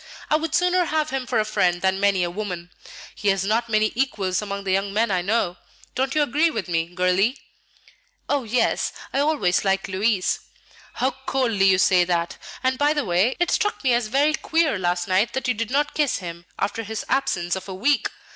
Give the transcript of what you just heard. I would sooner have him for a friend than many a woman; he has not many equals among the young men I know. Don't you agree with me, girlie?" "Oh, yes; I always liked Louis." "How coldly you say that! And, by the way, it struck me as very queer last night that you did not kiss him after his absence of a week.